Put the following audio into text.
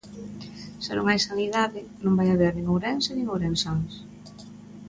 Se non hai sanidade, non vai haber nin Ourense nin ourensáns.